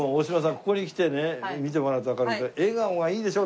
ここに来てね見てもらうとわかるけど笑顔がいいでしょ